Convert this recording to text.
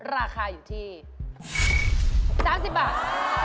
ราคาอยู่ที่๓๐บาท